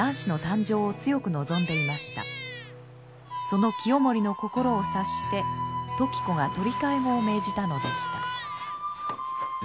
その清盛の心を察して時子が取替子を命じたのでした。